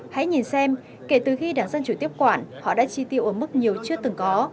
hãy nhìn xem kể từ khi đảng dân chủ tiếp quản họ đã chi tiêu ở mức nhiều chưa từng có